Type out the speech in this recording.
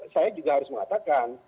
saya juga harus mengatakan